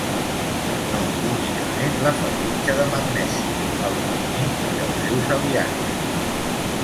No únicament la ferritja de magnesi, alumini i els seus aliatges.